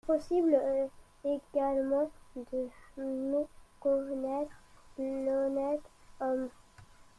Impossible également de méconnaître l'honnête homme.